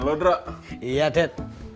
lo drok iya dad